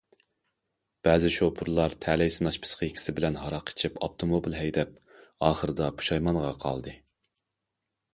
بەزى شوپۇرلار تەلەي سىناش پىسخىكىسى بىلەن ھاراق ئېچىپ ئاپتوموبىل ھەيدەپ، ئاخىرىدا پۇشايمانغا قالدى.